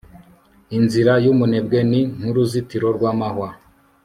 inzira y'umunebwe ni nk'uruzitiro rw'amahwa